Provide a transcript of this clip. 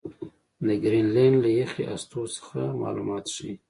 د ګرینلنډ له یخي هستو څخه معلومات ښيي.